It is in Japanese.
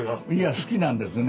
好きなんですね。